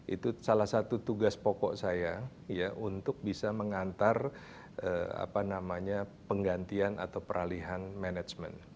itu salah satu tugas pokok saya ya untuk bisa mengantar apa namanya penggantian atau peralihan management